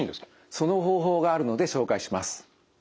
その方法があるので紹介します。